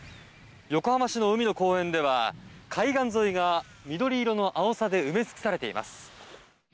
横浜市の海の公園では海岸沿いが緑色のアオサで埋め尽くされています。